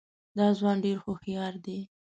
دا ځوان ډېر هوښیار دی.